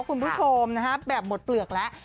ขอบคุณผู้ชมนะครับแบบหมดเปลือกแล้ว